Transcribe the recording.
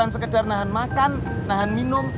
sekedar nahan makan nahan minum